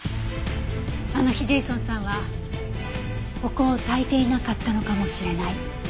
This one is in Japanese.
あの日ジェイソンさんはお香をたいていなかったのかもしれない。